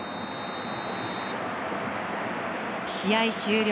試合終了。